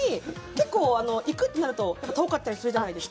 結構、行くとなると遠かったりするじゃないですか。